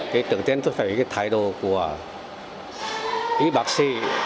thì đầu tiên tôi phải biết cái thái độ của y bác sĩ